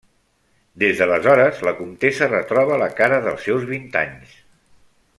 Des d'aleshores, la comtessa retroba la cara dels seus vint anys.